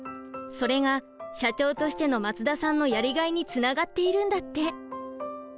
それが社長としての松田さんのやりがいにつながっているんだって。